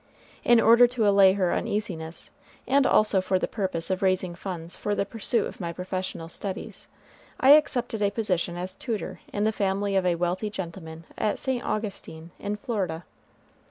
In order to allay her uneasiness, and also for the purpose of raising funds for the pursuit of my professional studies, I accepted a position as tutor in the family of a wealthy gentleman at St. Augustine, in Florida.